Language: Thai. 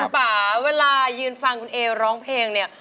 คุณป่าเวลายืนฟังคุณเอร้องเพลงเนี่ย